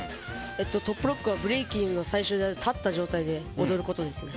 トップロックはブレイキンの最初に立った状態で踊ることですね。